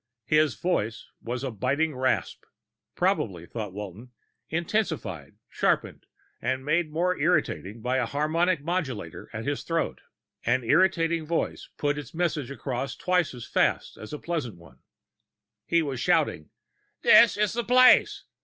His voice was a biting rasp probably, thought Walton, intensified, sharpened, and made more irritating by a harmonic modulator at his throat. An irritating voice put its message across twice as fast as a pleasant one. He was shouting, "This is the place!